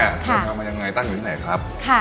เราทำมายังไงตั้งอยู่ที่ไหนครับ